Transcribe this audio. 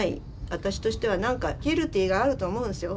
私としては何かギルティーがあると思うんですよ。